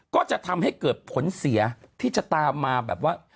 ก็จะทำให้เกิดผลเสียที่จะตามมาแบบว่า